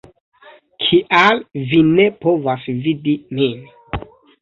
Kial vi ne povas vidi min?